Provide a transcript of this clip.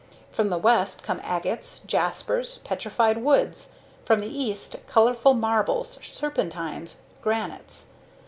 From the West come agates, jaspers, petrified woods; from the East, colorful marbles, serpentines, granites.